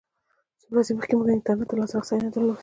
څو ورځې مخکې موږ انټرنېټ ته لاسرسی نه درلود.